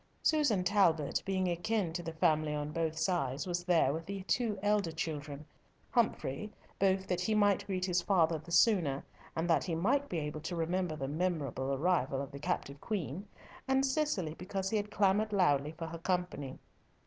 Susan Talbot, being akin to the family on both sides, was there with the two elder children; Humfrey, both that he might greet his father the sooner, and that he might be able to remember the memorable arrival of the captive queen, and Cicely, because he had clamoured loudly for her company.